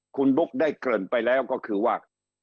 คุณบุ๊กได้เกริ่นไปแล้วก็คือว่า